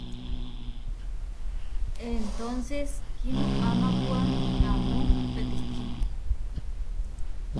Entónces kinoamápua amó peteči.